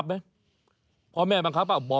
ชื่อเด็ดครับ